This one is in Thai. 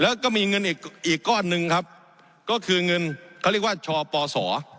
แล้วก็มีเงินอีกอีกก้อนหนึ่งครับก็คือเงินเขาเรียกว่าชปศ